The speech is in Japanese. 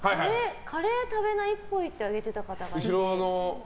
カレーを食べないっぽいって上げてた方がいて。